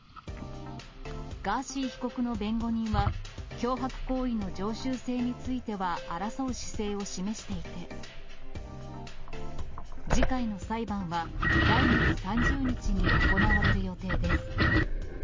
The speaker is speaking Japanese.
ガーシー被告の弁護人は、脅迫行為の常習性については争う姿勢を示していて、次回の裁判は来月３０日に行われる予定です。